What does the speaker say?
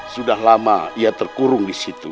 sudah lama dia terkurung disitu